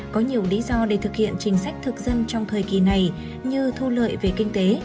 có nhiều lý do để thực hiện chính sách thực dân trong thời kỳ này như thu lợi về kinh tế